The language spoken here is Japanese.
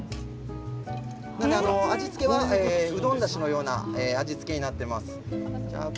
なので、味付けはうどんだしのような味付けになっています。